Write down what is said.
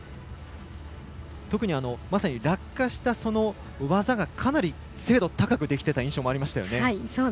特に落下した技がかなり精度が高くできていた印象ありましたよね。